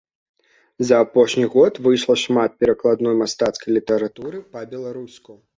За апошні год выйшла шмат перакладной мастацкай літаратуры па-беларуску.